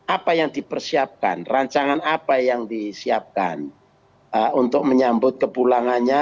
apa yang dipersiapkan rancangan apa yang disiapkan untuk menyambut kepulangannya